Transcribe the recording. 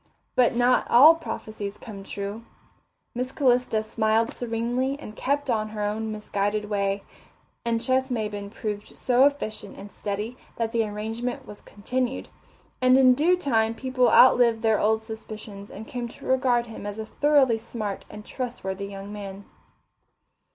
But not all prophecies come true. Miss Calista smiled serenely and kept on her own misguided way. And Ches Maybin proved so efficient and steady that the arrangement was continued, and in due time people outlived their old suspicions and came to regard him as a thoroughly smart and trustworthy young man.